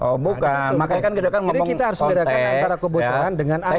jadi kita harus bedakan antara kebocoran dengan